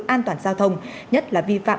an toàn giao thông nhất là vi phạm